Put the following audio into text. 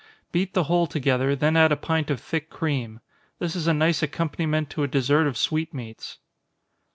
Beat the whole together, then add a pint of thick cream. This is a nice accompaniment to a dessert of sweetmeats.